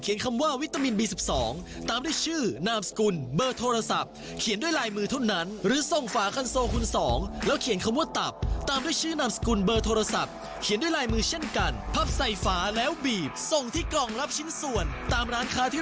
ช่วยคนไทยสร้างอาชีพปี๒